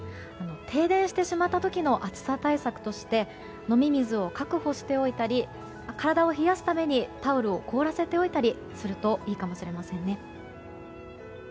停電してしまった時の暑さ対策として飲み水を確保しておいたり体を冷やすためにタオルを凍らせておいたりするといいかもしれませんね。